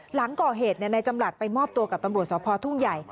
หลังก่อเหตุนายจำหลัดไปมอบตัวกับตำรวจสพทุ่งใหญ่